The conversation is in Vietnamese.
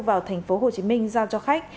vào thành phố hồ chí minh giao cho khách